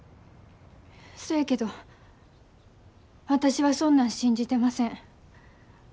そやけど私はそんなん信じてません。